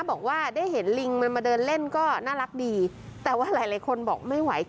บอกว่าได้เห็นลิงมันมาเดินเล่นก็น่ารักดีแต่ว่าหลายหลายคนบอกไม่ไหว